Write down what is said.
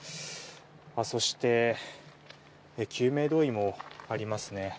そして、救命胴衣もありますね。